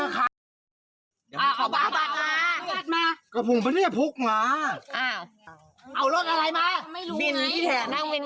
คือรวดกับพี่เจไปคนเดียว